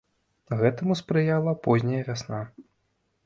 Гэтаму спрыяла позняя вясна.